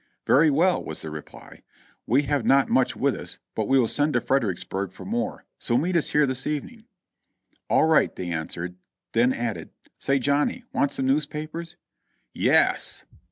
"Very well," was the reply. "We have not much with us, but we will send to Fredericksburg for more, so meet us here this evening." "All right," they answered; then added, "Say, Johnny, want some newspapers?" "Y e s!"